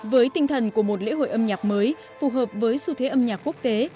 với tinh thần của một lễ hội âm nhạc mới phù hợp với xu thế âm nhạc quốc tế